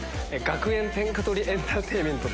学園天下取りエンターテインメント。